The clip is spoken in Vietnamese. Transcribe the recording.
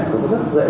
cũng rất dễ